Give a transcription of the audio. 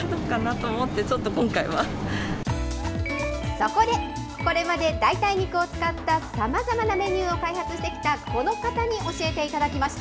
そこで、これまで代替肉を使ったさまざまなメニューを開発してきたこの方に教えていただきました。